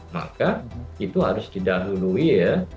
maka itu harus didahului ya